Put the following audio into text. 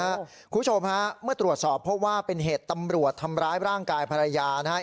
คุณผู้ชมฮะเมื่อตรวจสอบเพราะว่าเป็นเหตุตำรวจทำร้ายร่างกายภรรยานะฮะ